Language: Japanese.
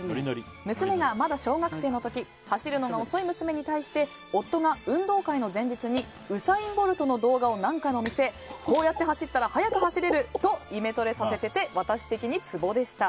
娘がまだ小学生の時走るのが遅い娘に対して夫が運動会の前日にウサイン・ボルトの動画を何回も見せ、こうやって走ったら速く走れるとイメトレさせてて私的にツボでした。